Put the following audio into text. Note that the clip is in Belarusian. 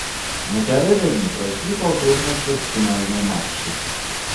Напярэдадні прайшлі паўторныя чвэрцьфінальныя матчы.